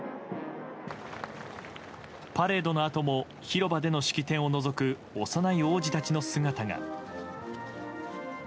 パレードのあとも広場での式典をのぞく幼い王子たちの姿が。